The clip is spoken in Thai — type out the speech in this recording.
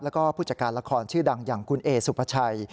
แล้วก็ผู้จัดการละครชื่อดังอย่างคุณเอสุภาชัย